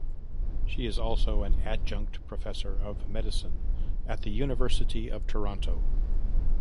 She is also an Adjunct Professor of Medicine at the University of Toronto.